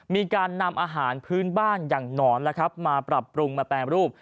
มีการนำอาหารพื้นบ้านอย่างหนอนมาปรับปรุงมาแปรรูป